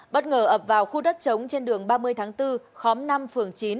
bất ngờ ập vào khu đất trống trên đường ba mươi tháng bốn khóm năm phường chín